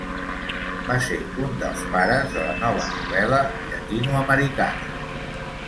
Va ser un dels pares de la nova novel·la llatinoamericana.